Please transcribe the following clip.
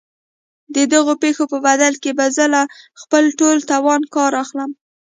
د دغو پيسو په بدل کې به زه له خپل ټول توانه کار اخلم.